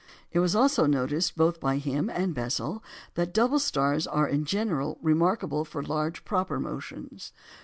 It was also noticed, both by him and Bessel, that double stars are in general remarkable for large proper motions.